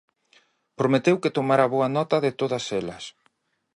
Prometeu que tomará boa nota de todas elas.